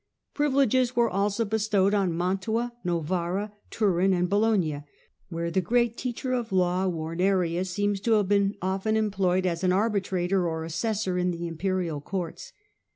Privi leges were also bestowed on Mantua, Novara, Turin, and Bologna, where the great teacher of law, Warnerius, seems to have been often employed as an arbitrator or assessor in the imperial courts.